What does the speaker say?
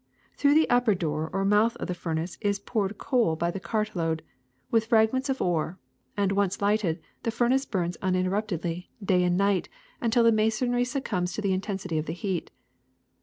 Through the upper door or mouth of the furnace is poured coal by the cart load, with frag ments of ore, and when once lighted the furnace burns uninterruptedly, day and night, until the 156 THE SECRET OF EVERYDAY THINGS masonry succumbs to the intensity of the heat.